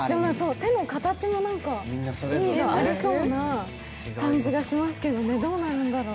手の形も何か意味がありそうな感じがしますけど、どうなるんだろう。